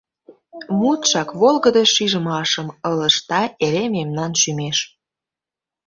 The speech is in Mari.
Мутшак волгыдо шижмашым Ылыжта эре мемнан шӱмеш.